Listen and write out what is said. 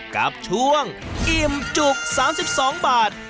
กับช่วงอิ่มจุก๓๒บาท